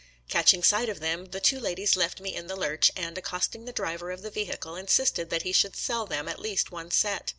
Catching sight of them, the two ladies left me in the lurch, and, accosting the driver of the vehicle, insisted that he should sell them at least one set.